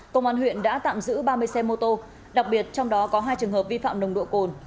công an huyện đã tạm giữ ba mươi xe mô tô đặc biệt trong đó có hai trường hợp vi phạm nồng độ cồn